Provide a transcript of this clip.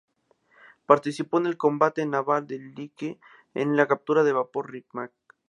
Participó en el combate naval de Iquique y en la captura del vapor "Rímac".